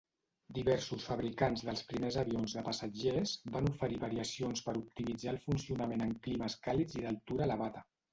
Diversos fabricants dels primers avions de passatgers van oferir variacions per optimitzar el funcionament en climes càlids i d'altura elevada.